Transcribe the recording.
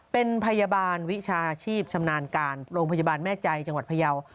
เป็นพยาบาลวิชาชีพชำนาญการโรงพยาบาลแม่ใจจังหวัดพยาว